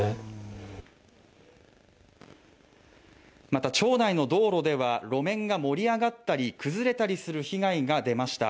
また町内の道路では路面が盛り上がったり崩れたりする被害が出ました